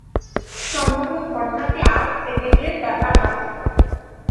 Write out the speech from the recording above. সমগ্র ঘটনাটি আধ সেকেণ্ডের ব্যাপার মাত্র।